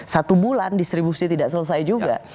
satu bulan distribusi tidak selesai juga